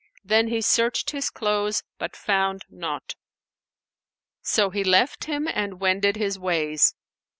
Then he searched his clothes, but found naught; so he left him and wended his ways.